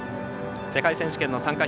世界選手権の参加